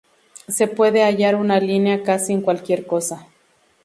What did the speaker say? Se puede hallar una línea casi en cualquier cosa.